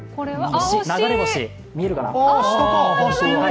流れ星、見えるかな？